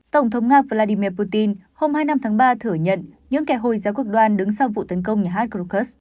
tổng thống nga vladimir putin hôm hai mươi năm tháng ba thử nhận những kẻ hồi giáo cực đoan đứng sau vụ tấn công nhà hát krokus